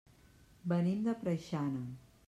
Venim de Preixana.